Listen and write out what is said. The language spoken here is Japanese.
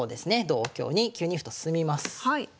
同香に９二歩と進みます。